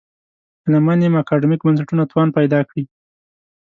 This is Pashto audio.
هیله من یم اکاډمیک بنسټونه توان پیدا کړي.